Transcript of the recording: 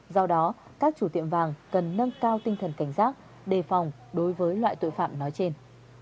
do đó các chủ tiệm vàng cần nâng cao tinh thần cảnh giác đề phòng đối với loại tội phạm nói trên